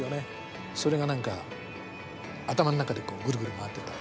それが何か頭の中でぐるぐる回ってた。